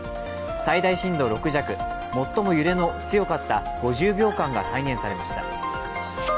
最大震度６弱、最も揺れの強かった５０秒間が再現されました。